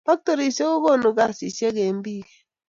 Pactorisiek kokonu kasisiek eng bike.